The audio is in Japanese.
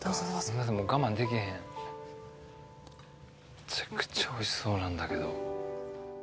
むちゃくちゃおいしそうなんだけど。